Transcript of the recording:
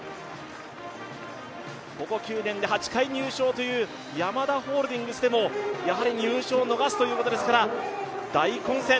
ここ９年で８回入賞というヤマダホールディングスでもやはり入賞を逃すということですから大混戦。